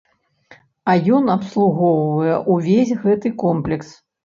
А ён абслугоўвае ўвесь гэты комплекс.